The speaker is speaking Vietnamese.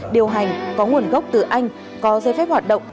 điều hành có nguồn gốc từ anh có dây phép hoạt động